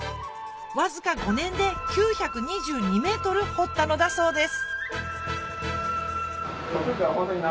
わずか５年で９２２ｍ掘ったのだそうです